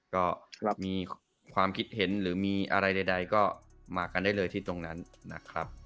ก็มีความคิดเห็นหรือมีอะไรใดก็มากันได้เลยที่ตรงนั้นนะครับ